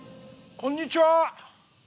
こんにちは。